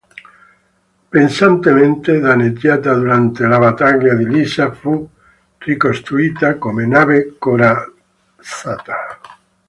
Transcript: Pesantemente danneggiata durante la battaglia di Lissa, fu ricostruita come nave corazzata.